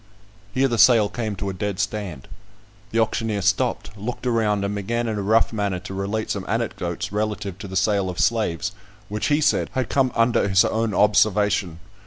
Here the sale came to a dead stand. The auctioneer stopped, looked around, and began in a rough manner to relate some anecdotes relative to the sale of slaves, which, he said, had come under his own observation.